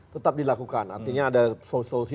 tetap dilakukan artinya ada solusi solusi